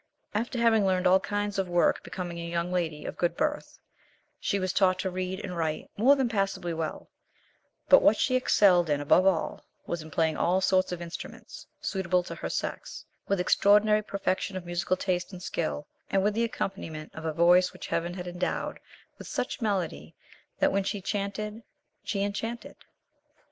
After having learned all kinds of work becoming a young lady of good birth, she was taught to read and write more than passably well; but what she excelled in above all, was in playing all sorts of instruments suitable to her sex, with extraordinary perfection of musical taste and skill, and with the accompaniment of a voice which Heaven had endowed with such melody that when she chanted she enchanted.